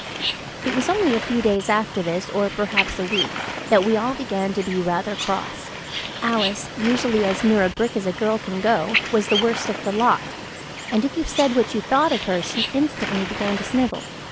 It was only a few days after this, or perhaps a week, that we all began to be rather cross. Alice, usually as near a brick as a girl can go, was the worst of the lot, and if you said what you thought of her she instantly began to snivel.